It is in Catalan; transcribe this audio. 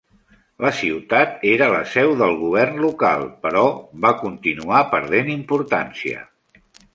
La ciutat era la seu del govern local, però va continuar perdent importància.